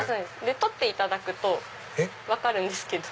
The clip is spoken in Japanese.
取っていただくと分かるんですけど。